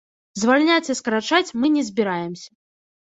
Звальняць і скарачаць мы не збіраемся.